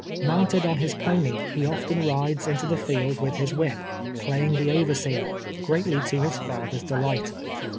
Mounted on his pony, he often rides into the field with his whip, play ing the overseer, greatly to his father's delight.